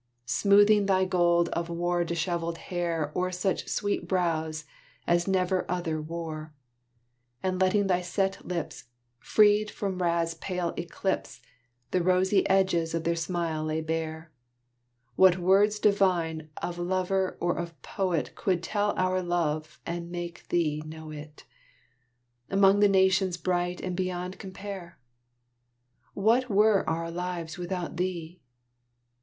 Smoothing thy gold of war dishevelled hair O'er such sweet brows as never other wore, And letting thy set lips, Freed from wrath's pale eclipse, The rosy edges of their smile lay bare, What words divine of lover or of poet Could tell our love and make thee know it, Among the Nations bright beyond compare? What were our lives without thee?